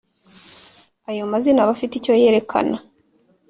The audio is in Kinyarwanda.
Ayo mazina aba afite icyo yerekana